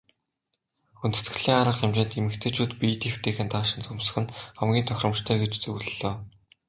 Хүндэтгэлийн арга хэмжээнд эмэгтэйчүүд биед эвтэйхэн даашинз өмсөх нь хамгийн тохиромжтой гэж зөвлөлөө.